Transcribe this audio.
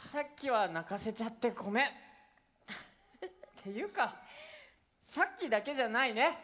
ていうかさっきだけじゃないね。